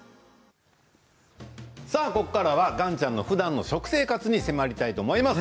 さあ、ここからは岩ちゃんのふだんの食生活に迫りたいと思います。